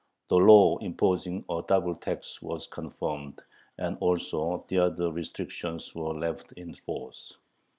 The law imposing a double tax was confirmed, and also the other restrictions were left in force.